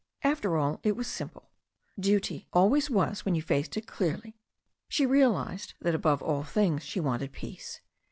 After all, it was simple. Duty always was when you faced it clearly. She realized that above all things she wanted peace.